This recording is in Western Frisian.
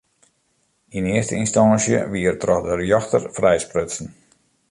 Yn earste ynstânsje wie er troch de rjochter frijsprutsen.